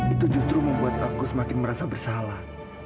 itu justru membuat aku semakin merasa bersalah